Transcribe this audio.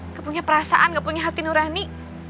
nggak punya perasaan gak punya hati nurani